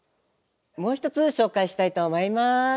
もう１つ紹介したいと思います。